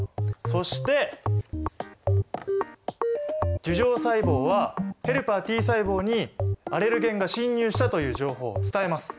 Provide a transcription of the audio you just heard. そして樹状細胞はヘルパーＴ細胞にアレルゲンが侵入したという情報を伝えます。